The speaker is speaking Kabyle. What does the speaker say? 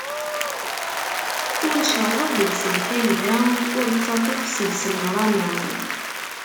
Ur cerreḍ deg-s lfayda, ur ttaṭṭaf seg-s leɣrama.